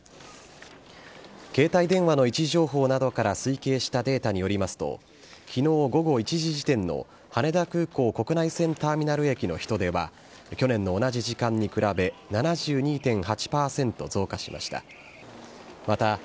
携帯電話の位置情報などから推計したデータによりますと、きのう午後１時時点の羽田空港国内線ターミナル駅の人出は、去年の同じ時間に比べ、７２．８％増加しました。